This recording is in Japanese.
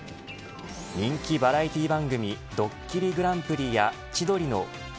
人気バラエティー番組ドッキリＧＰや千鳥の鬼